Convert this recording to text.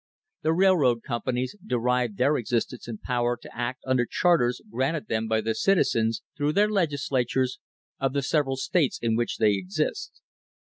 The railroad companies derive their existence and power to act under charters granted them by the citizens (through their Legislatures) of the several states in which they exist.